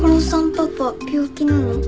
パパ病気なの？